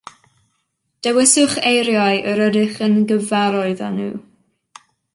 Dewiswch eiriau yr ydych yn gyfarwydd â nhw